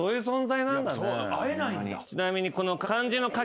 ちなみに。